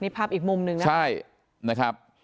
พอนายพลละกริด